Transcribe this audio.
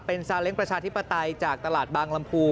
เป็นซาเล้งประชาธิปไตยจากตลาดบางลำพู